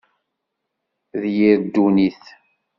D yir ddunit.